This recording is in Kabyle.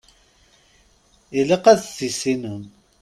Ilaq ad t-tissinem.